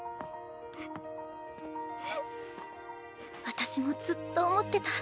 私もずっと思ってた。